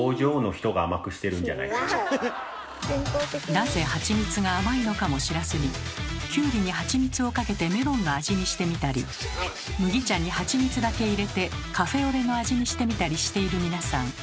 なぜハチミツが甘いのかも知らずにきゅうりにハチミツをかけてメロンの味にしてみたり麦茶にハチミツだけ入れてカフェオレの味にしてみたりしている皆さん。